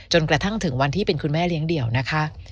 กระทั่งถึงวันที่เป็นคุณแม่เลี้ยงเดี่ยวนะคะ